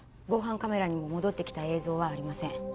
防犯カメラにも戻ってきた映像はありません